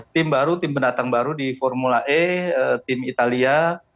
tim baru tim pendatang baru di formula e tim italia